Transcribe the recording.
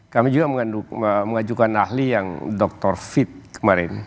kami juga mengajukan ahli yang dokter fit kemarin